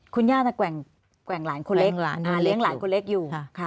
คุณย่าแกว่งหลานคนเล็กเลี้ยงหลานคนเล็กอยู่